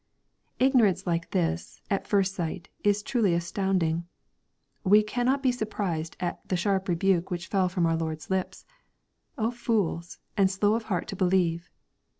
Ignorance like this, at first sight, is truly astounding. We cannot be surprised at the sharp rebuke which fell from our Lord's lips, '^0 fools, and slow of heart to be lieve."